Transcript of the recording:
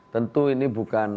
tentu ini bukan